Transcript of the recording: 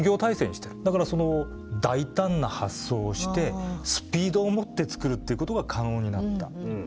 だから大胆な発想をしてスピードをもってつくるっていうことが可能になった。